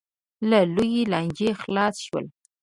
له لویې لانجې خلاص شول.